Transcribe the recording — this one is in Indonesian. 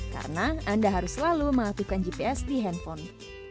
karena anda harus selalu mengaktifkan gps di handphone